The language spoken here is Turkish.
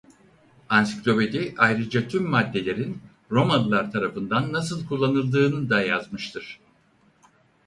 Ansiklopedi ayrıca tüm maddelerin Romalılar tarafından nasıl kullanıldığını da yazmıştır.